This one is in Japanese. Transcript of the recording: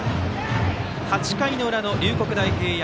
８回の裏の龍谷大平安。